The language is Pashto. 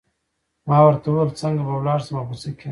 ما ورته وویل څنګه به لاړ شم او په څه کې.